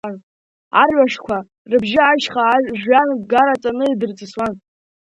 Арҩашқәа рыбжьы ашьха жәҩан гараҵаны идырҵысуан.